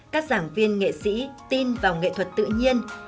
các giảng viên nghệ sĩ tin vào nghệ thuật tự nhiên